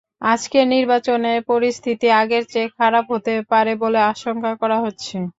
আজকের নির্বাচনে পরিস্থিতি আগের চেয়ে খারাপ হতে পারে বলে আশঙ্কা করা হচ্ছে।